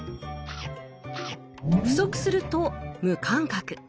不足すると「無感覚」。